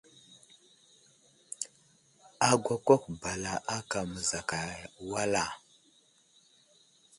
Agakwákw bala aka məzakay wal a ?